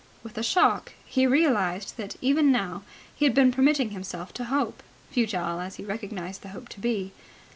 With a shock he realized that even now he had been permitting himself to hope, futile as he recognized the hope to be.